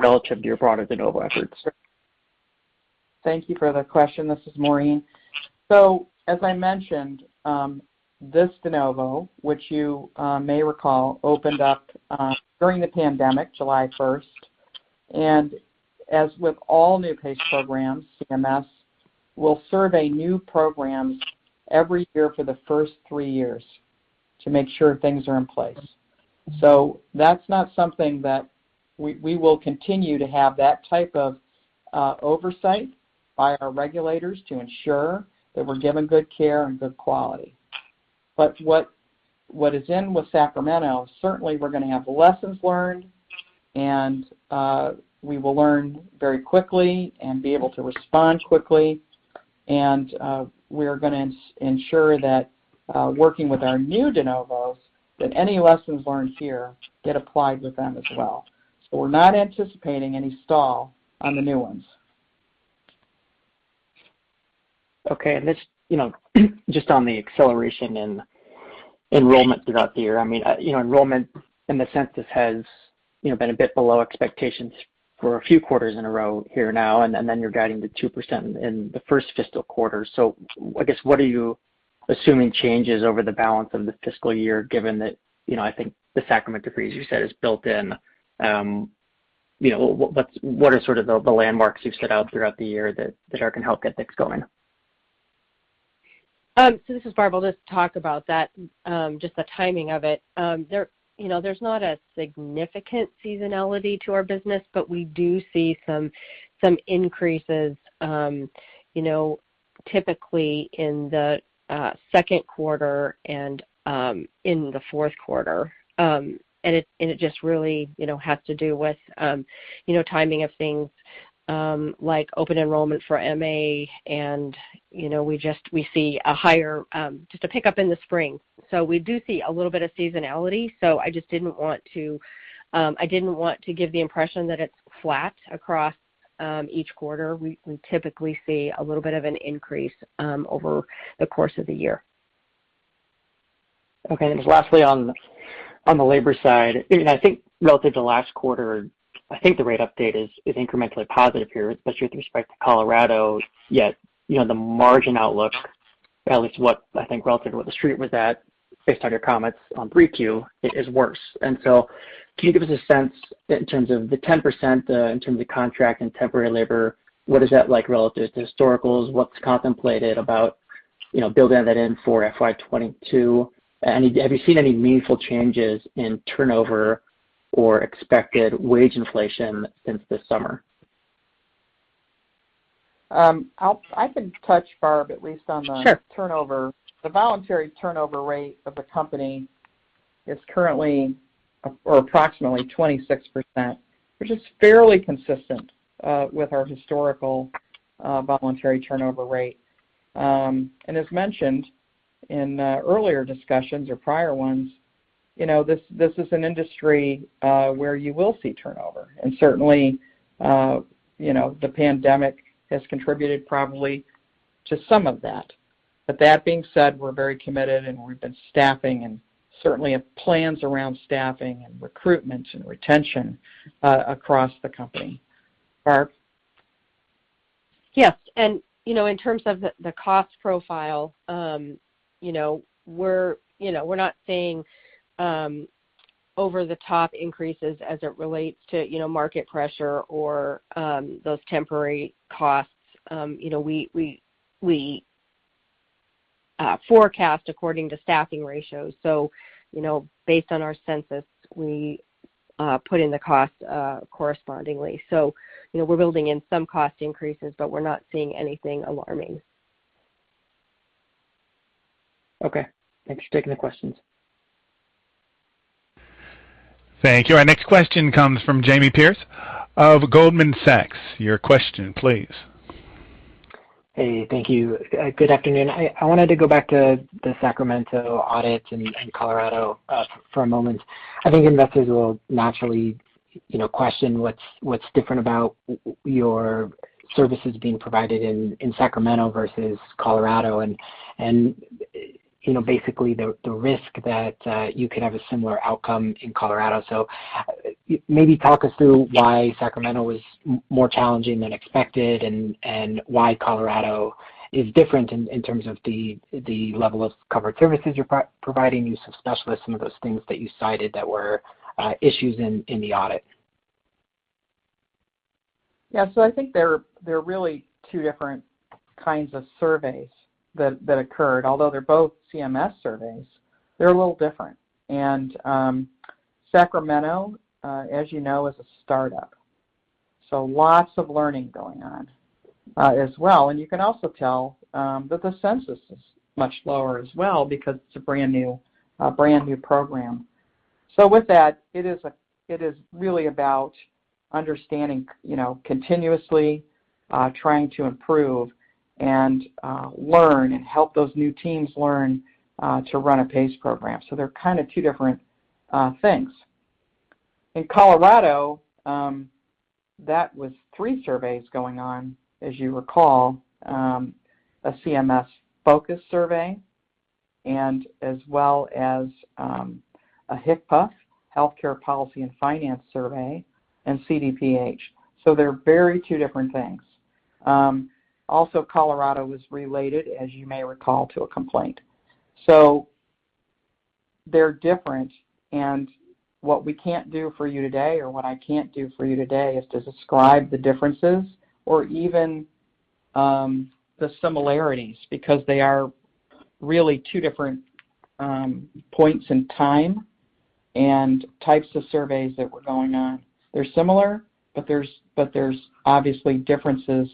relative to your broader de novo efforts? Thank you for the question. This is Maureen. As I mentioned, this de novo, which you may recall, opened up during the pandemic, July 1st. As with all new PACE programs, CMS will survey new programs every year for the first three years to make sure things are in place. That's not something that we will continue to have that type of oversight by our regulators to ensure that we're given good care and good quality. What is in with Sacramento, certainly we're going to have lessons learned, and we will learn very quickly and be able to respond quickly. We're going to ensure that working with our new de novos, that any lessons learned here get applied with them as well. We're not anticipating any stall on the new ones. Just on the acceleration in enrollment throughout the year. Enrollment in the sense has been a bit below expectations for a few quarters in a row here now. You're guiding the 2% in the first fiscal quarter. What are you assuming changes over the balance of the fiscal year, given that I think the Sacramento freeze you said is built in? What are sort of the landmarks you've set out throughout the year that American Health gets going? This is Barb. I'll just talk about that, just the timing of it. There's not a significant seasonality to our business, but we do see some increases typically in the second quarter and in the fourth quarter. It just really has to do with timing of things like open enrollment for MA, and we see a higher just a pickup in the spring. We do see a little bit of seasonality. I just didn't want to give the impression that it's flat across each quarter. We typically see a little bit of an increase over the course of the year. Okay. Just lastly on the labor side, I think relative to last quarter, I think the rate update is incrementally positive here, especially with respect to Colorado. Yet, the margin outlook, at least what I think relative to what The Street was at based on your comments on 3Q, it is worse. Can you give us a sense in terms of the 10%, in terms of contract and temporary labor, what is that like relative to historical? What's contemplated about building that in for FY 2022? Have you seen any meaningful changes in turnover or expected wage inflation since this summer? I can touch, Barb, at least. Sure Turnover. The voluntary turnover rate of the company is currently or approximately 26%, which is fairly consistent with our historical voluntary turnover rate. As mentioned in earlier discussions or prior ones, this is an industry where you will see turnover. Certainly, the pandemic has contributed probably to some of that. That being said, we're very committed, and we've been staffing and certainly have plans around staffing and recruitment and retention across the company. Barb? Yes. In terms of the cost profile, we're not seeing over-the-top increases as it relates to market pressure or those temporary costs. We forecast according to staffing ratios. Based on our census, we put in the cost correspondingly. We're building in some cost increases, but we're not seeing anything alarming. Okay. Thanks for taking the questions. Thank you. Our next question comes from Jamie Perse of Goldman Sachs. Your question, please. Hey, thank you. Good afternoon. I wanted to go back to the Sacramento audit and Colorado for a moment. I think investors will naturally question what's different about your services being provided in Sacramento versus Colorado and basically the risk that you could have a similar outcome in Colorado. Maybe talk us through why Sacramento was more challenging than expected and why Colorado is different in terms of the level of covered services you're providing. You discussed some of those things that you cited that were issues in the audit. Yeah. I think they're really two different kinds of surveys that occurred. Although they're both CMS surveys, they're a little different. Sacramento, as you know, is a startup, so lots of learning going on as well. You can also tell that the census is much lower as well because it's a brand-new program. With that, it is really about understanding continuously trying to improve and learn and help those new teams learn to run a PACE program. They're kind of two different things. In Colorado, that was three surveys going on, as you recall. A CMS focus survey and as well as a HCPF, Healthcare Policy and Finance Survey, and CDPHE. They're very two different things. Also, Colorado was related, as you may recall, to a complaint. They're different, what we can't do for you today, or what I can't do for you today, is to describe the differences or even the similarities, because they are really two different points in time and types of surveys that were going on. They're similar, there's obviously differences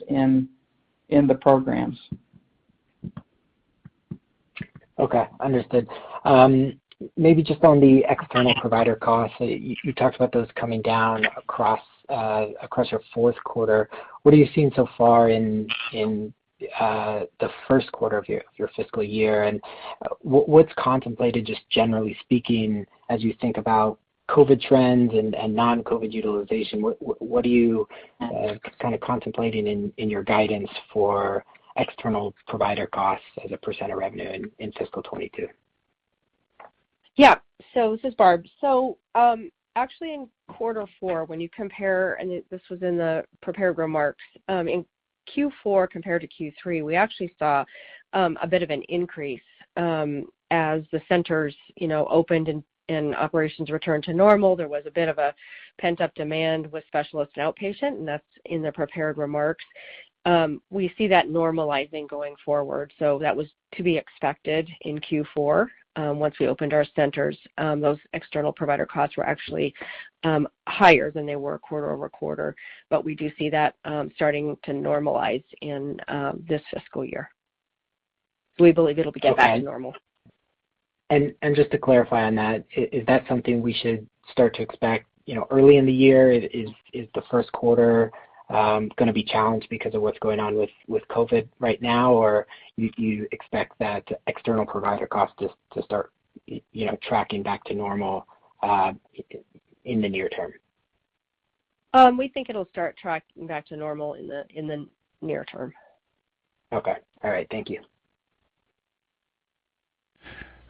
in the programs. Okay, understood. Maybe just on the external provider costs, you talked about those coming down across your fourth quarter. What are you seeing so far in the first quarter of your fiscal year, and what's contemplated, just generally speaking, as you think about COVID trends and non-COVID utilization? What are you contemplating in your guidance for external provider costs as a % of revenue in FY 2022? Yeah. This is Barb. Actually, in quarter four, when you compare, and this was in the prepared remarks, in Q4 compared to Q3, we actually saw a bit of an increase. As the centers opened and operations returned to normal, there was a bit of a pent-up demand with specialists in outpatient, and that's in the prepared remarks. We see that normalizing going forward. That was to be expected in Q4. Once we opened our centers, those external provider costs were actually higher than they were quarter-over-quarter. We do see that starting to normalize in this fiscal year. We believe it'll be back to normal. Just to clarify on that, is that something we should start to expect early in the year? Is the first quarter going to be challenged because of what's going on with COVID right now, or do you expect that external provider cost to start tracking back to normal in the near term? We think it'll start tracking back to normal in the near term. Okay. All right. Thank you.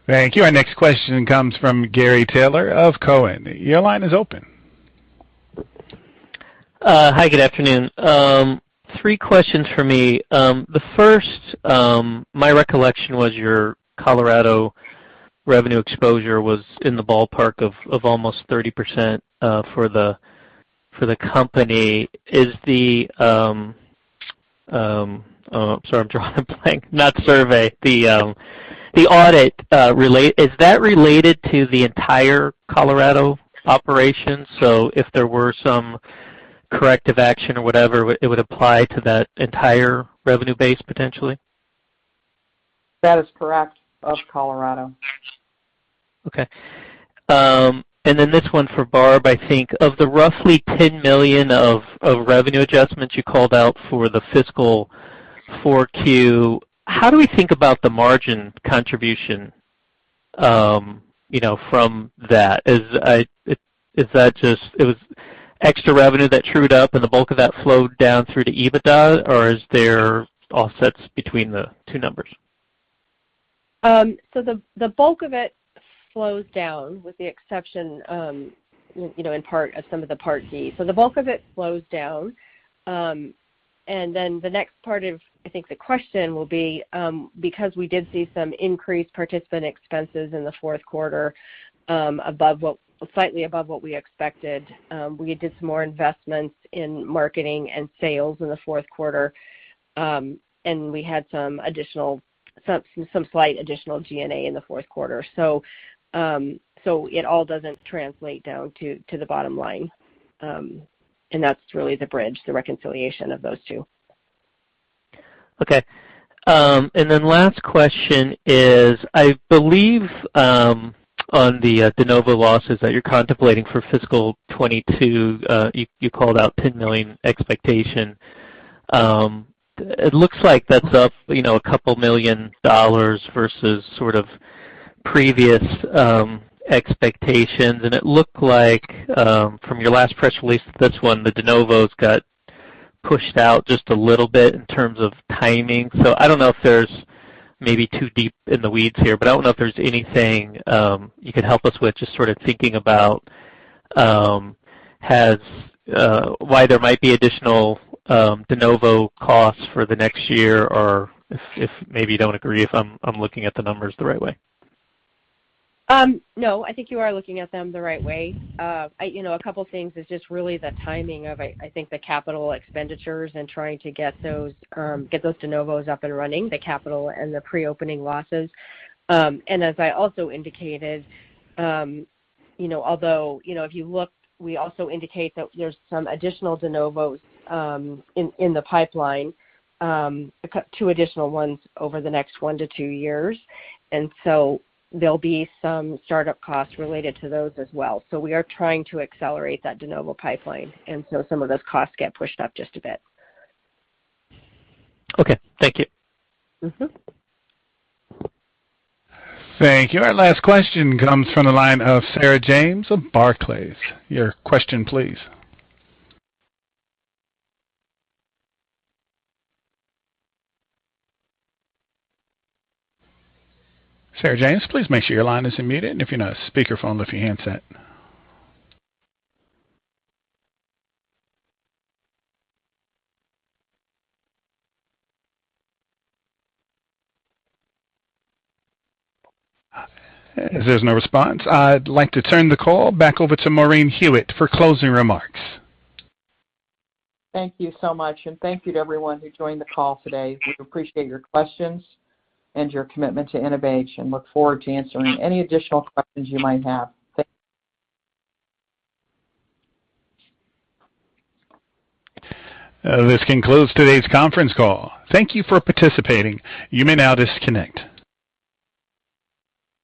Thank you. Our next question comes from Gary Taylor of Cowen. Your line is open. Hi, good afternoon. Three questions from me. The first, my recollection was your Colorado revenue exposure was in the ballpark of almost 30% for the company. Sorry, I'm drawing a blank. Not survey, the audit. Is that related to the entire Colorado operation? If there were some corrective action or whatever, it would apply to that entire revenue base, potentially? That is correct, of Colorado. Okay. This one's for Barb, I think. Of the roughly $10 million of revenue adjustments you called out for the fiscal 4Q, how do we think about the margin contribution from that? It was extra revenue that trued up and the bulk of that flowed down through to EBITDA, or is there offsets between the two numbers? The bulk of it flows down, with the exception in part of some of the Part D. The bulk of it flows down, and then the next part of, I think, the question will be, because we did see some increased participant expenses in the fourth quarter, slightly above what we expected. We did some more investments in marketing and sales in the fourth quarter. We had some slight additional G&A in the fourth quarter. It all doesn't translate down to the bottom line. That's really the bridge, the reconciliation of those two. Okay. Last question is, I believe on the de novo losses that you're contemplating for FY 2022, you called out $10 million expectation. It looks like that's up a couple million dollars versus previous expectations. It looked like from your last press release that this one, the de novos got pushed out just a little bit in terms of timing. I don't know if there's maybe too deep in the weeds here, but I don't know if there's anything you could help us with, just sort of thinking about why there might be additional de novo costs for the next year, or if maybe you don't agree if I'm looking at the numbers the right way. No, I think you are looking at them the right way. A couple things is just really the timing of, I think, the capital expenditures and trying to get those de novos up and running, the capital and the pre-opening losses. As I also indicated, if you look, we also indicate that there's some additional de novos in the pipeline, two additional ones over the next one to two years. There'll be some startup costs related to those as well. We are trying to accelerate that de novo pipeline, and so some of those costs get pushed up just a bit. Okay. Thank you. Thank you. Our last question comes from the line of Sarah James of Barclays. Your question please. Sarah James, please make sure your line is unmuted, and if you're on a speakerphone, lift your handset. There's no response. I'd like to turn the call back over to Maureen Hewitt for closing remarks. Thank you so much, thank you to everyone who joined the call today. We appreciate your questions and your commitment to InnovAge and look forward to answering any additional questions you might have. This concludes today's conference call. Thank you for participating. You may now disconnect.